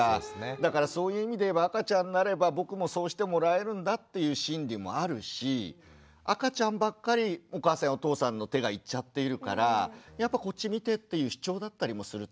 だからそういう意味でいえば赤ちゃんになれば僕もそうしてもらえるんだっていう心理もあるし赤ちゃんばっかりお母さんやお父さんの手がいっちゃっているからやっぱこっち見て！っていう主張だったりもするってことですよね。